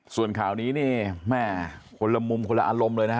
ส่วนข่าวนี้นี่แม่คนละมุมคนละอารมณ์เลยนะฮะ